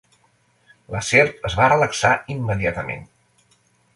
La serp es va relaxar immediatament.